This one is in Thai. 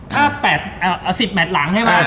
เอา๑๐แมทหลังให้มา